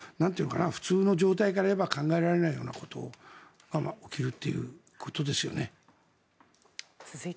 人間の普通の状態から言えば考えられないようなことが起きるということですよね。